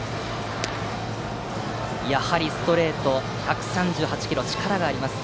やはり、ストレートは１３８キロ力がありますね。